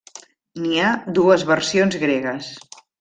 N'hi ha dues versions gregues.